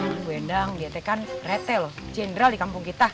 bu endang dia kan rt loh general di kampung kita